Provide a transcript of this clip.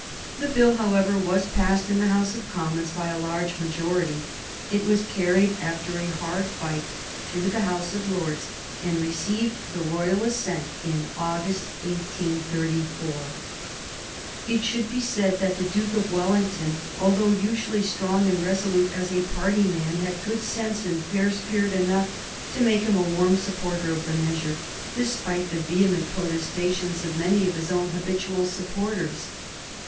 The Bill, however, was passed in the House of Commons by a large majority. It was carried after a hard fight through the House of Lords, and received the royal assent in August, 1834. It should be said that the Duke of Wellington, although usually strong and resolute as a party man, had good sense and fair spirit enough to make him a warm supporter of the measure, despite the vehement protestations of many of his own habitual supporters.